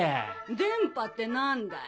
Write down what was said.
電波って何だい？